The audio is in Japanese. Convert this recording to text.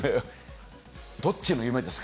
どっちの夢ですか？